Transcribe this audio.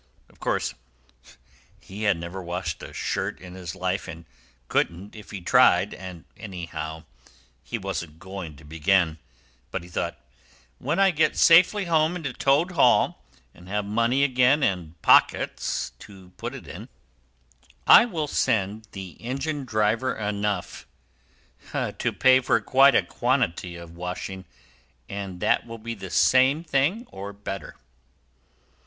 Of course, he had never washed a shirt in his life, and couldn't if he tried and, anyhow, he wasn't going to begin; but he thought: "When I get safely home to Toad Hall, and have money again, and pockets to put it in, I will send the engine driver enough to pay for quite a quantity of washing, and that will be the same thing, or better."